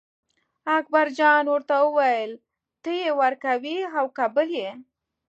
اکبرجان ورته وویل ته یې ورکوې او که بل یې.